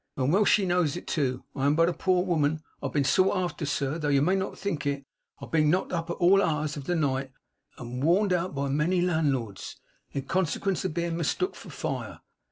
And well she knows it too. I am but a poor woman, but I've been sought after, sir, though you may not think it. I've been knocked up at all hours of the night, and warned out by a many landlords, in consequence of being mistook for Fire.